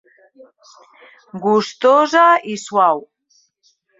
Gustosa i suau.